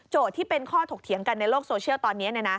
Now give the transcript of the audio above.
ที่เป็นข้อถกเถียงกันในโลกโซเชียลตอนนี้